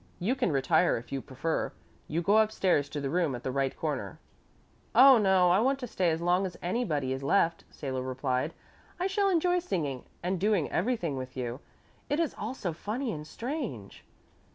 You can retire if you prefer. You go upstairs to the room at the right corner." "Oh, no, I want to stay as long as anybody is left," Salo replied. "I shall enjoy singing and doing everything with you. It is all so funny and strange."